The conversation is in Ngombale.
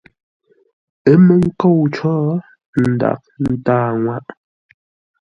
Ə́ mə́ nkôu có, ə́ ndaghʼ ńtâa ŋwâʼ.